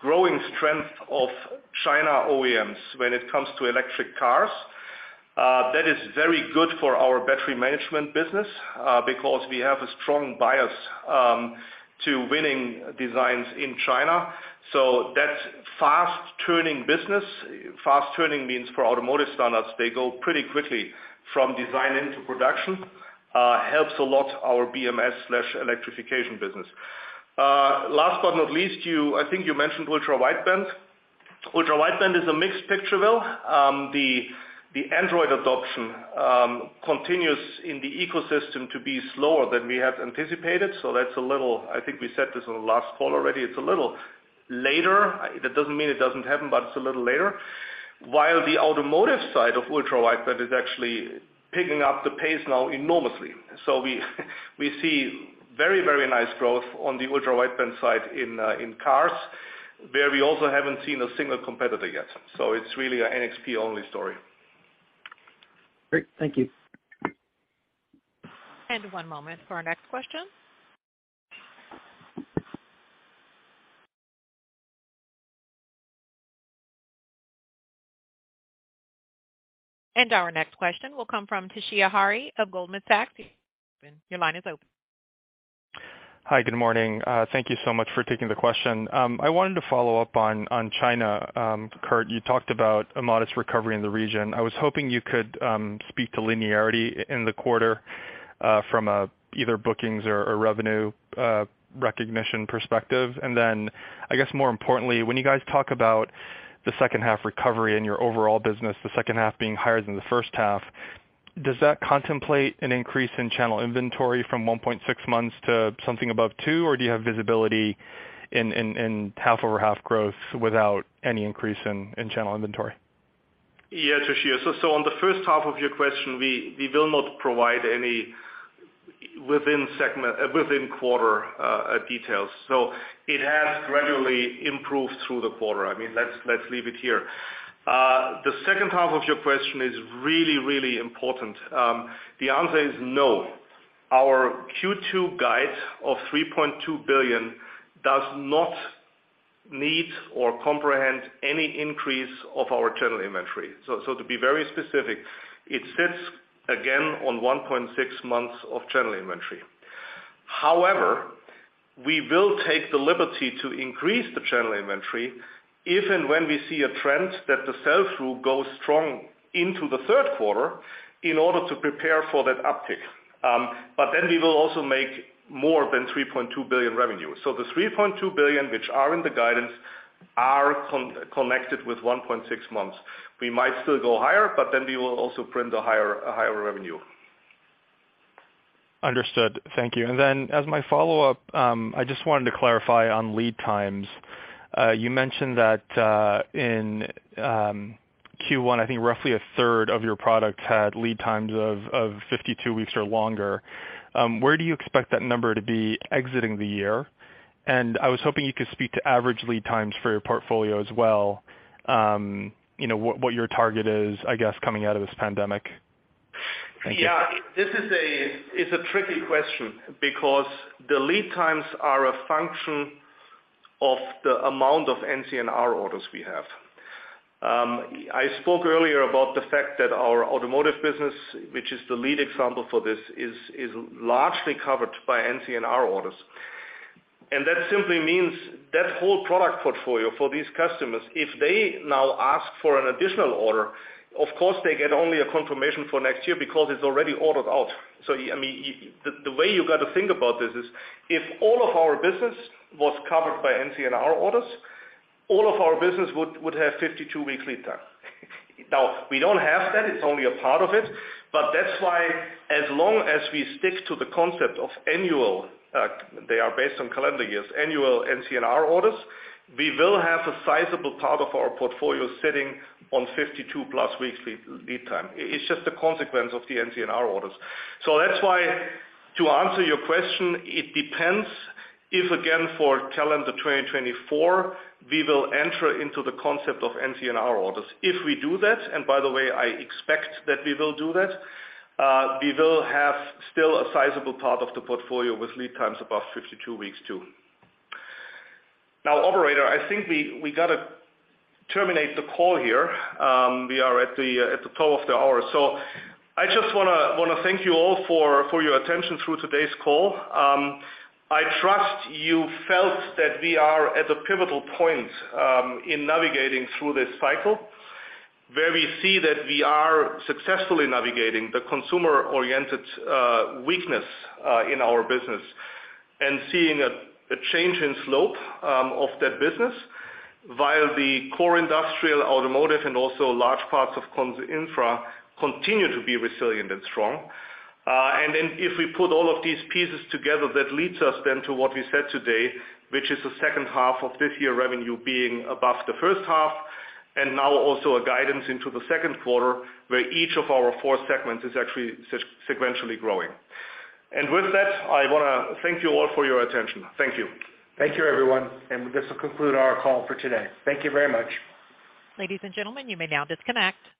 growing strength of China OEMs when it comes to electric cars. That is very good for our battery management business, because we have a strong bias to winning designs in China. That fast-turning business, fast-turning means for automotive standards, they go pretty quickly from design into production, helps a lot our BMS/electrification business. Last but not least, I think you mentioned ultra-wideband. ultra-wideband is a mixed picture, Bill. The, the Android adoption continues in the ecosystem to be slower than we had anticipated, I think we said this on the last call already. It's a little later. That doesn't mean it doesn't happen, but it's a little later. While the automotive side of ultra-wideband is actually picking up the pace now enormously. We see very, very nice growth on the ultra-wideband side in cars, where we also haven't seen a single competitor yet. It's really a NXP-only story. Great. Thank you. One moment for our next question. Our next question will come from Toshiya Hari of Goldman Sachs. Your line is open. Hi. Good morning. Thank you so much for taking the question. I wanted to follow up on China. Kurt, you talked about a modest recovery in the region. I was hoping you could speak to linearity in the quarter, from a either bookings or revenue, recognition perspective. Then, I guess more importantly, when you guys talk about the second half recovery in your overall business, the second half being higher than the first half, does that contemplate an increase in channel inventory from 1.6 months to something above 2, or do you have visibility in half-over-half growth without any increase in channel inventory? Yes, Toshiya. On the first half of your question, we will not provide any within quarter details. It has gradually improved through the quarter. I mean, let's leave it here. The second half of your question is really important. The answer is no. Our Q2 guide of $3.2 billion does not need or comprehend any increase of our channel inventory. To be very specific, it sits again on 1.6 months of channel inventory. We will take the liberty to increase the channel inventory if and when we see a trend that the sell-through goes strong into the third quarter in order to prepare for that uptick. We will also make more than $3.2 billion revenue. The $3.2 billion, which are in the guidance, are connected with 1.6 months. We might still go higher, we will also print a higher revenue. Understood. Thank you. As my follow-up, I just wanted to clarify on lead times. You mentioned that in Q1, I think roughly a third of your products had lead times of 52 weeks or longer. Where do you expect that number to be exiting the year? I was hoping you could speak to average lead times for your portfolio as well, you know, what your target is, I guess, coming out of this pandemic. Thank you. Yeah. This is It's a tricky question because the lead times are a function of the amount of NCNR orders we have. I spoke earlier about the fact that our automotive business, which is the lead example for this, is largely covered by NCNR orders. That simply means that whole product portfolio for these customers, if they now ask for an additional order, of course, they get only a confirmation for next year because it's already ordered out. I mean, the way you got to think about this is, if all of our business was covered by NCNR orders, all of our business would have 52-week lead time. We don't have that, it's only a part of it, but that's why as long as we stick to the concept of annual, they are based on calendar years, annual NCNR orders, we will have a sizable part of our portfolio sitting on 52 plus weeks lead time. It's just a consequence of the NCNR orders. That's why, to answer your question, it depends if, again, for calendar 2024, we will enter into the concept of NCNR orders. If we do that, and by the way, I expect that we will do that, we will have still a sizable part of the portfolio with lead times above 52 weeks, too. Operator, I think we gotta terminate the call here. We are at the top of the hour. I just wanna thank you all for your attention through today's call. I trust you felt that we are at a pivotal point in navigating through this cycle, where we see that we are successfully navigating the consumer-oriented weakness in our business and seeing a change in slope of that business, while the core industrial, automotive, and also large parts of comms infra continue to be resilient and strong. If we put all of these pieces together, that leads us then to what we said today, which is the second half of this year revenue being above the first half, and now also a guidance into the second quarter, where each of our four segments is actually sequentially growing. With that, I wanna thank you all for your attention. Thank you. Thank you, everyone. This will conclude our call for today. Thank you very much. Ladies and gentlemen, you may now disconnect.